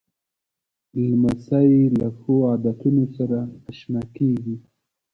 لمسی له ښو عادتونو سره اشنا کېږي.